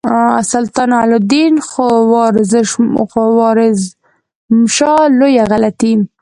سلطان علاء الدین خوارزمشاه لویه غلطي.